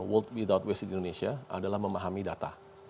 world without waste di indonesia adalah memahami data